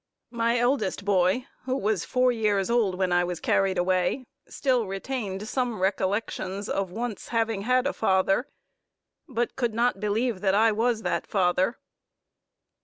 My eldest boy, who was four years old when I was carried away, still retained some recollections of once having had a father, but could not believe that I was that father.